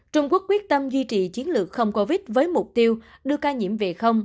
trung quốc quyết tâm duy trì chiến lược không covid với mục tiêu đưa ca nhiễm về không